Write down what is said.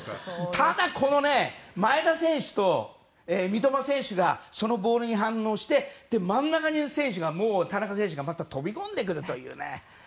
ただ、前田選手と三笘選手がそのボールに反応して真ん中にいる田中選手が飛び込んでくるという。